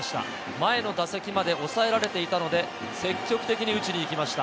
前の打席まで抑えられていたので、積極的に打ちにいきました。